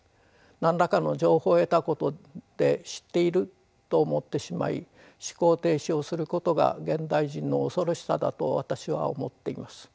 何らかの情報を得たことで知っていると思ってしまい思考停止をすることが現代人の恐ろしさだと私は思っています。